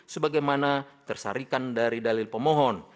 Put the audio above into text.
sebagaimana tersarikan dari dalil pemohon